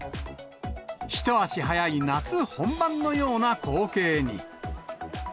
一足早い夏本番のような光景に。